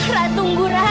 ra tunggu ra